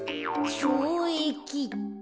ちょうえきって？